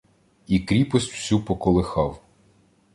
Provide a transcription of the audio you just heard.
І кріпость всю поколихав.